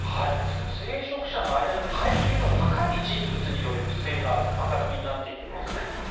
聖職者の間でも階級の高い人物による不正が明るみになっているんですね。